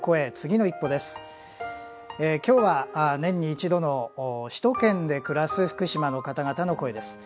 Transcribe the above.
今日は年に一度の首都圏で暮らす福島の方々の声です。